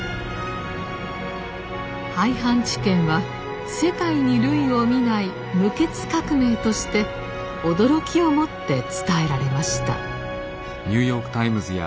廃藩置県は世界に類を見ない無血革命として驚きをもって伝えられました。